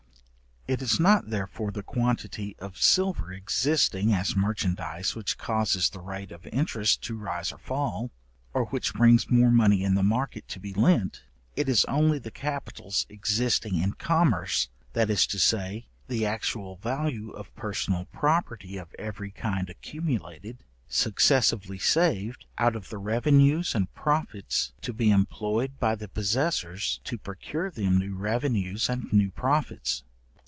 It is not therefore the quantity of silver existing as merchandize which causes the rate of interest to rise or fall, or which brings more money in the market to be lent; it is only the capitals existing in commerce, that is to say, the actual value of personal property of every kind accumulated, successively saved out of the revenues and profits to be employed by the possessors to procure them new revenues and new profits.